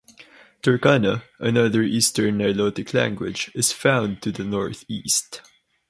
Turkana, another Eastern Nilotic language, is found to the northeast.